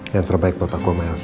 yang terbaik buat aku sama elsa